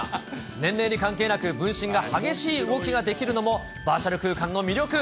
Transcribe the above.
年齢に関係なく、分身が激しい動きができるのもバーチャル空間の魅力。